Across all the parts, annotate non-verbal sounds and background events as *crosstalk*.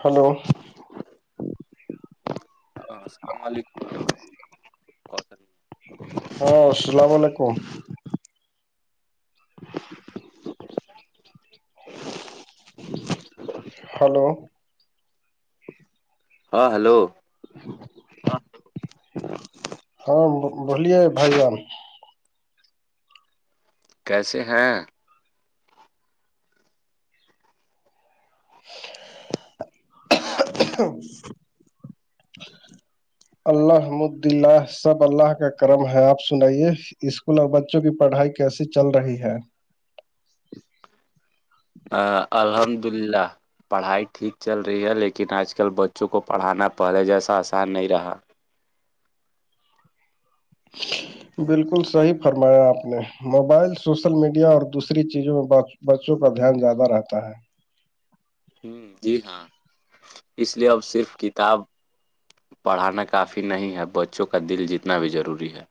hello السلام علیکم کو س ہ السلام علیکم ہلو ہاں ہلو ہاں ہاں بولیے بائی جان کیسے ہیں ہ اللہمددلہ سب اللہ کا کرم ہے آپ سنائیے اسکول اور بچوں کی پڑھائی کیسی چل رہی ہے الحمد للہ پڑھائی ٹھیک چل رہی ہے لیکن آج کل بچوں کو پڑھانا پہلے جیسا آسان نہیں رہا *unintelligible* بالکل صحیح فرمایا آپ نے موبائل سوشل میڈیا اور دوسری چیزوں میں بات بچوں کا دھیان زیادہ رہتا ہے ہ جی ہاں اس لیے اب صرف کتاب پڑھانا کافی نہیں ہے بچوں کا دل جتنا بھی ضروری ہے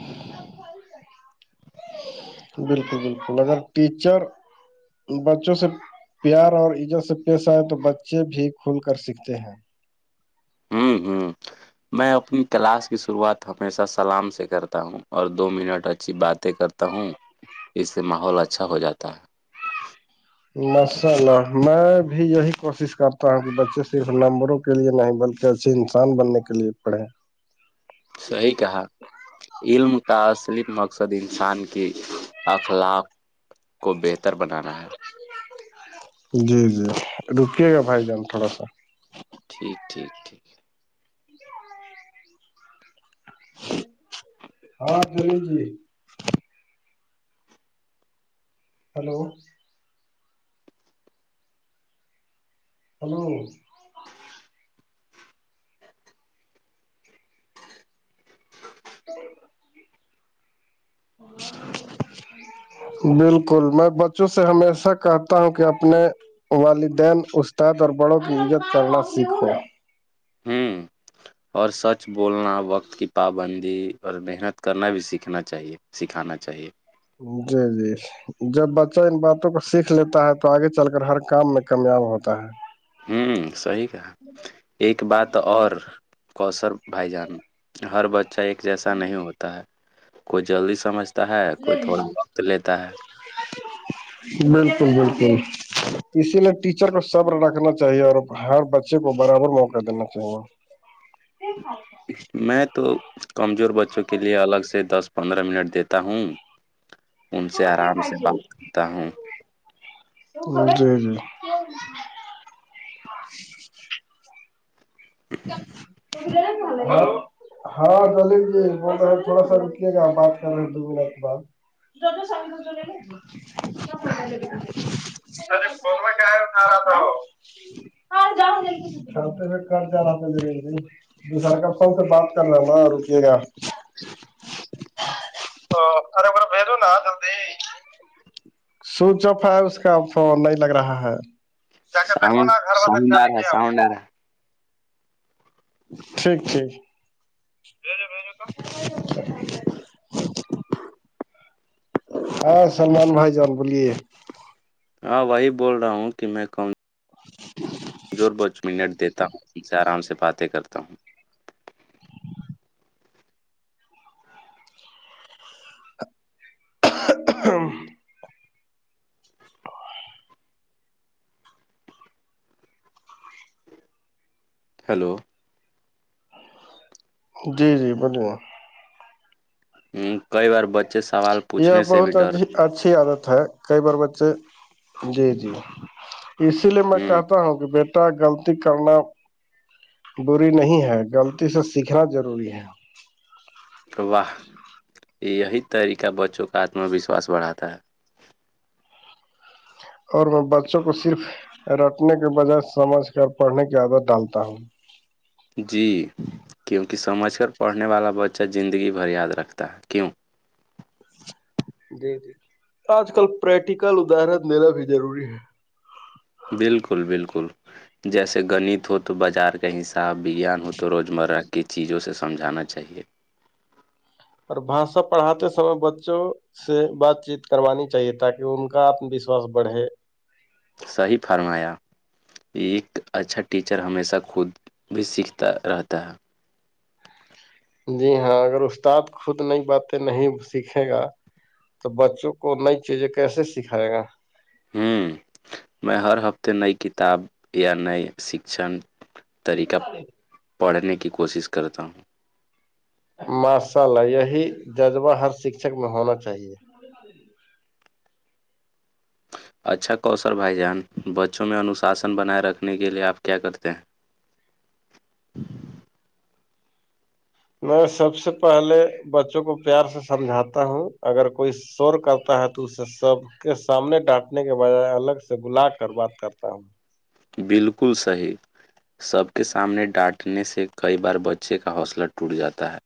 *unintelligible* بالکل بالکل اگر ٹیچر بچوں سے پیار اور عزت سے پیشہ آئے تو بچے بھی کھل کر سیکھتے ہیں ہوں ہوں میں اپنی کلاس کی شروعات ہمیشہ سلام سے کرتا ہوں اور دو منٹ اچھی باتیں کرتا ہوں اس سے ماحول اچھا ہو جاتا ہے ماشاء اللہ میں بھی یہی کوشش کرتا ہوں کہ بچے صرف نمبروں کے لیے نہیں بلکہ ایسے انسان بننے کے لیے پڑھے صحی کہا علم تصل مقصد انسان کی اخلاق کو بہتر بنانا ہے جی جی رکیے گا بھائی جان تھوڑا سا ٹھیک ٹھیک ٹھیک ہاں پل جی ہلو ہلو بر *unintelligible* بالکل میں بچوں سے ہمیشہ کہتا ہوں کہ اپنے والدین استاد اور بڑوں کی عزت کرنا سیکھ ہوا ہوں اور سچ بولنا وقت کی پابندی اور محنت کرنا بھی سیکھنا چاہیے سکھانا چاہیے جی جی جب بچہ ان باتوں کو سیکھ لیتا ہے تو آگے چل کر ہر کام میں کامیاب ہوتا ہے ہوں صحی کہا ایک بات اور کوسر بھائی جان ہر بچہ ایک جیسا نہیں ہوتا ہے کوئی جلدی سمجھ ہے کوئی تھوڑا وقت لیتا ہے بالکل بالکل اسی لیے ٹیچر کو صبر رکھنا چاہیے اور ہر بچے کو برابر موقع دینا چاہیے ٹھیکاھ میں تو کمزور بچوں کے لیے الگ سے دس پندرہ منٹ دیتا ہوں ان سے آرام سے بات کرتا ہوں جی جی مال ہاں دلیںجے بول رہ ہیں تھوڑا سا رکیے گا بات کر رہے ہیں دو منٹ کے بعد تو سام کو ارے فون میں کیا ہوھ رہا تھا وہ ہاں جؤ جا رہا تھا د دوسرا کتاوں سے بات کرنا نا رکیے گا اچ تو ارے بھیجو نا جلدی *unintelligible* سوچ آف ہے اس کا نہیں لگ رہا ہے کیا کہتے کو ساؤن نا گھر بات ساؤنڈار جانے ہے کیا ساؤنڈار ہے ٹھیک ٹھیک *unintelligible* ہاں سلملمان بھائی جان بولیے ہاں وہی بول رہا ہوں کہ میں کہن *unintelligible* زور بچ منٹ دیتا ہوں ان سے آرام سے باتیں کرتا ہوں *inaudible* ہیلو جی جی بالکل ہوں کئی بار بچے سوال یہ پوچھنے سے بھی بہت ڈرتے اچھی عادت ہے کئی بار بچے جی جی اسی لیے میں ہ کہتا ہوں کہ بیٹ غلط کرنا بری نہیں ہے غلطی سے سیکھنا ضروری ہے واہ یہی طریقہ بچوں کا آتم وشواس بڑھاتا ہے اور میں بچوں کو صرف رٹنے کے بجائے سمجھ کر پڑھنے کی عادت ڈالتا ہوں جی کیونکہ سمجھ کر پڑھنے والا بچہ زندگی بھر یاد رکھتا ہے کیوں جی جی آج کل پریکٹیکل ادارن میرا بھی ضروری ہے بالکل بالکل جیسے گنت ہو تو بازار کا حساب وگیان ہو تو روزمرہ کی چیزوں سے سمجھانا چاہیے اور بھاشا پڑھاتے سمے بچوں سے بات چیت کروانی چاہیے تاکہ ان کا آتم وشواس بڑھے صحیح فرمایا ایک اچھا ٹیچر ہمیشہ خود بھی سیکھتا رہتا ہے جی ہاں اگر استاد خود نئی باتیں نہیں سیکھے گا تو بچوں کو نئی چیزیں کیسے سکھائے گا ہوں میں ہر ہفتے نئی کتاب یا نئے شکشن طریقہ پڑھنے کی کوشش کرتا ہوں ماشاء اللہ یہی جذبہ ہر شکشک میں ہونا چاہیے اچھا کوثر بھائی جان بچوں میں انوشاسن بنائے رکھنے کے لیے آپ کیا کرتے ہیں میں سب سے پہلے بچوں کو پیار سے سمجھاتا ہوں اگر کوئی سور کرتا ہے تو اسے سب کے سامنے ڈانٹنے کے بجائے الگ سے بلا کر بات کرتا ہوں بالکل صحیح سب کے سامنے ڈانٹنے سے کئی بار بچے کا حوصلہ ٹوٹ جاتا ہے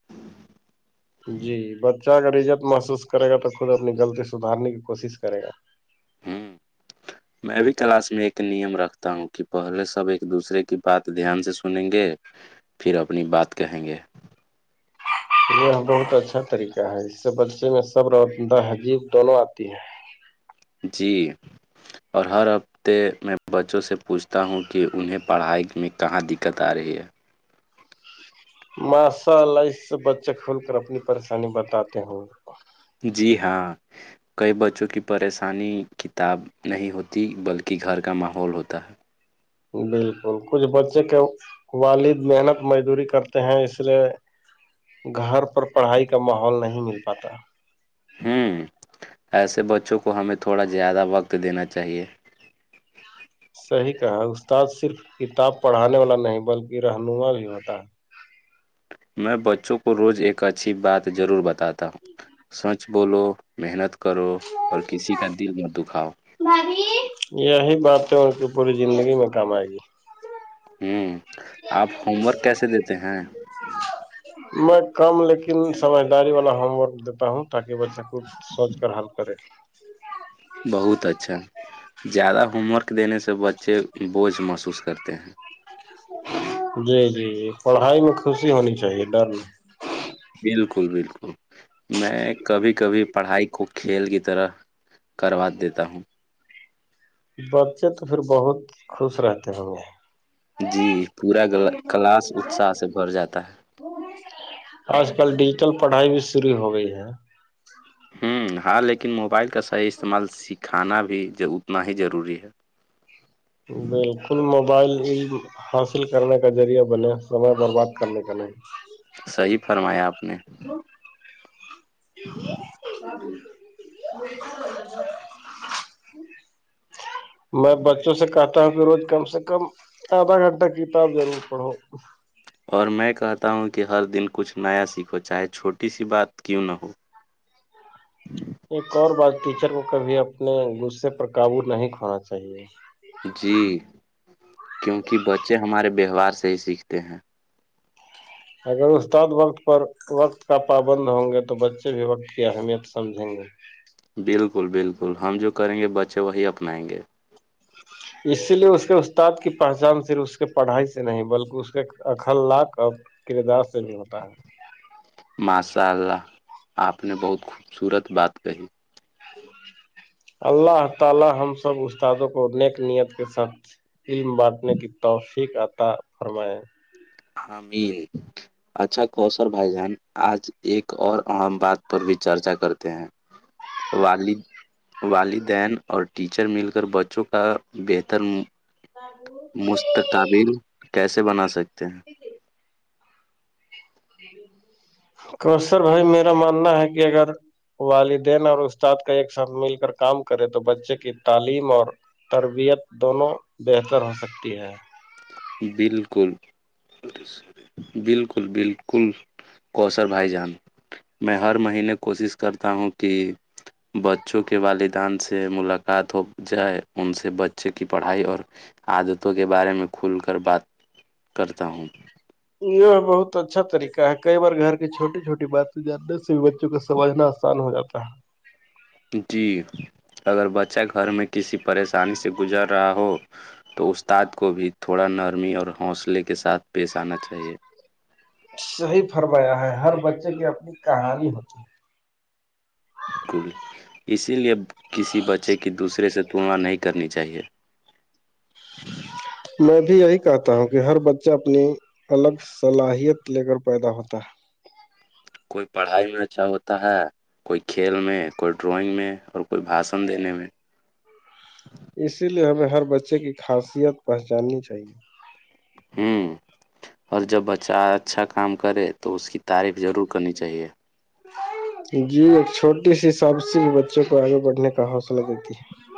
جی بچہ اگر عزت محسوس کرے گا تو خود اپنی غلطی سدھارنے کی کوشش کرے گا ہوں میں بھی کلاس میں ایک نیم رکھتا ہوں کہ پہلے سب ایک دوسرے کی بات دھیان سے سنیں گے پھر اپنی بات کہیں گے یہ بہت اچھا طریقہ ہے اس سے بچے میں سب روہ عجیب دونوں آتی ہیں جی اور ہر حف تے کہ میں بچوں سے پوچھتا ہوں کہ انہیں پڑھائی میں کہاں دقت آ رہی ہے ماشاء اللہ اس سے بچے کھول کر اپنی پریشانی بتاتے ہے جی ہاں کئی بچوں کی پریشانی کتاب نہیں ہوتی بلکہ گھر کا ماحول ہوتا ہے بالکل کچھ بچے کے والد محنت مزدوری کرتے ہیں اس لیے گھر پر پڑھائی کا ماحول نہیں مل پاتا ہوں ایسے بچوں کو ہمیں تھوڑا زیادہ وقت دینا چاہیے صحیح کہا ہے استاد صرف کتاب پڑھانے والا نہیں بلکہ رہنما بھی ہوتا ہے میں بچوں کو روز ایک اچھی بات ضرور بتاتا ہوں سچ بولو محنت کرو اور کسی کا دل نہ دکھاؤ یہی بات ہے ان کی پوری زندگی میں کام آئے گی ہوں آپ ہوم ورک کیسے دیتے ہیں *inaudible* میں کم لیکن سمجھداری والا ہوم ورک دیتا ہوں تاکہ بچہ کو سوچ کر حل کرے بہت اچھا زیادہ ہوم ورک دینے سے بچے بوجھ محسوس کرتے ہیں جی جی پڑھائی میں خوشی ہونی چاہیے ڈر نہیں بالکل بالکل میں کبھی کبھی پڑھائی کو کھیل کی طرح کروا دیتا ہوں بچے تو پھر بہت خوش رہتے ہیں وہ جی پورا گ کلاس اتساہ سے بھر جاتا ہے آج کل ڈیجیٹل پڑھائی بھی شرع ہو گئی ہے ہوں ہاں لیکن موبائل کا صحیح استعمال سکھانا بھی اتنا ہی ضروری ہے بالکل موبائل حاصل کرنے کا ذریعہ بنے سمے برباد کرنے کا نہیں صحی فرمایا آپ نے *inaudible* میں بچوں سے کہتا ہوں کہ روز کم سے کم آدھا گھنٹہ کتاب ضرور پڑھو اور میں کہتا ہوں کہ ہر دن کچھ نیا سیکھو چاہے چھوٹی سی بات کیوں نہ ہو ایک اور بات ٹیچر کو کبھی اپنے غصے پر قابو نہیں کھوانا چاہیے جی کیونکہ بچے ہمارے ویوہار سے ہی سیکھتے ہیں اگر استاد وقت پر وقت کا پابند ہوں گے تو بچے بھی وقت کی اہمیت سمجھیں گے بالکل بالکل ہم جو کریں گے بچے وہی اپنائیں گے اسی لیے اس کے استاد کی پہچان صرف اس کے پڑھائی سے نہیں بلکہ اس کے اکھل لق کردار سے نہیں ہوتا ہے ماشاء اللہ آپ نے بہت خوبصورت بات کہی ا اللہ تعالی ہم سب استادوں کو نیک نیت کے ساتھ علم بانٹنے کی توفیق عطا فرماائے ہاں می ہے اچھا کوشل بھائی جان آج ایک اور اہم بات پر بھی چرچا کرتے ہیں والد والدین اور ٹیچر مل کر بچوں کا بہتر مستقبل کیسے بنا سکتے ہیں *inaudible* کرسر بھائی میرا ماننا ہے کہ اگر والدین اور استاد کا ایک ساتھ مل کر کام کرے تو بچے کی تعلیم اور تربیت دونوں بہتر ہو سکتی ہے بالکل بالکل بالکل کوثر بھائی جان میں ہر مہینے کوشش کرتا ہوں کہ بچوں کے والدان سے ملاقات ہو جائے ان سے بچے کی پڑھائی اور عادتوں کے بارے میں کھل کر بات کرتا ہوں یہ ہے بہت اچھا طریقہ ہے کئی بار گھر کی چھوٹی چھوٹی باتیں جاننے سے بھی بچوں کو سمجھنا آسان ہو جاتا ہے جی اگر بچہ گھر میں کسی پریشانی سے گزر رہا ہو تو استاد کو بھی تھوڑا نرمی اور حوصلے کے ساتھ پیش آنا چاہیے صحیح فرمایا ہے ہر بچے کی اپنی کہانی ہوتی ہے اسکول اسی لیے کسی بچے کی دوسرے سے تلنا نہیں کرنی چاہیے میں بھی یہی کہتا ہوں کہ ہر بچہ اپنی الگ صلاحیت لے کر پیدا ہوتا ہے کوئی پڑھائی میں اچھا ہوتا ہے کوئی کھیل میں کوئی ڈرائنگ میں اور کوئی بھاشن دینے میں اسی لیے ہمیں ہر بچے کی خاصیت پہچاننی چاہیے اور جب بچہ اچھا کام کرے تو اس کی تعریف ضرور کرنی چاہیے جی ایک چھوٹی سیسابسی بچوں کو آگے بڑھنے کا حوصلہ دیتی ہے *unintelligible*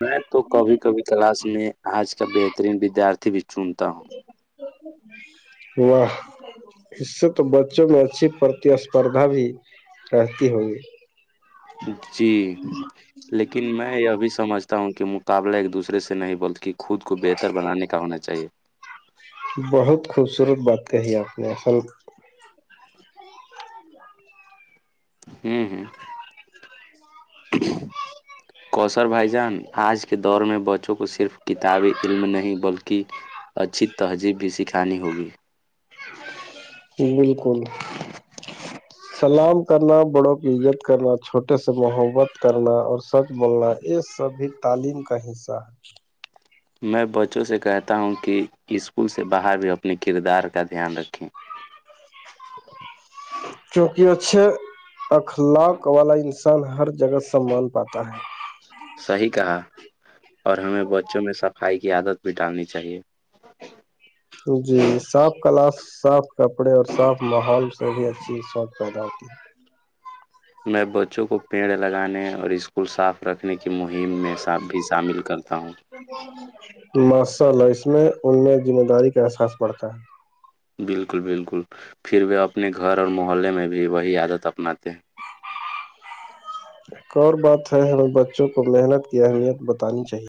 میں تو کبھی کبھی کلاس میں آج کا بہترین ودیارتھی بھی چنتا ہوں *inaudible* واہ اس سے تو بچوں میں اچھی پرتیسپردھا بھی رہتی ہوگی جی لیکن میں یہ بھی سمجھتا ہوں کہ مقابلہ ایک دوسرے سے نہیں بلکہ خود کو بہتر بنانے کا ہونا چاہیے بہت خوبصورت بات کہی آپ نے اصل ہوں ہوں کوثر بھائی جان آج کے دور میں بچوں کو صرف کتابی علم نہیں بلکہ اچھی تہذیب بھی سکھانی ہوگی بالکل *inaudible* سلام کرنا بڑوں کی عزت کرنا چھوٹے سے محبت کرنا اور سچ بولنا یہ سبھی تعلیم کا حصہ ہے میں بچوں سے کہتا ہوں کہ اسکول سے باہر بھی اپنے کردار کا دھیان رکھیں کیونکہ اچھے اخلاق والا انسان ہر جگہ سمان پاتا ہے صحیح کہا اور ہمیں بچوں میں صفائی کی عادت بھی ڈالنی چاہیے جی صاف کلاس صاف کپڑے اور صاف ماحول سے بھی اچھی شوق پیدا ہوتی ہے میں بچوں کو پیڑ لگانے اور اسکول صاف رکھنے کی مہم میں بھی شامل کرتا ہوں ماشاء اللہ اس میں ان میں ذمہ داری کا احساس پڑتا ہے بالکل بالکل پھر وہ اپنے گھر اور محلے میں بھی وہی عادت اپناتے ہیں ایک اور بات ہے ہمیں بچوں کو محنت کی اہمیت بتانی چاہیے